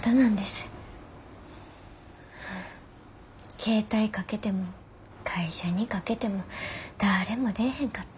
携帯かけても会社にかけてもだれも出えへんかって。